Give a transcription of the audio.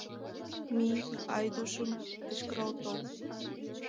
Мий, Айдушым кычкырал тол.